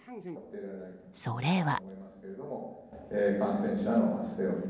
それは。